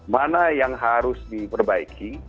mana yang harus diperbaiki